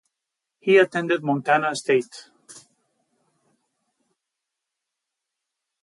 He attended Montana State.